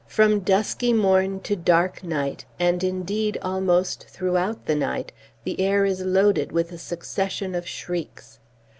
From dusky morn to dark night, and indeed almost throughout the night, the air is loaded with a succession of shrieks.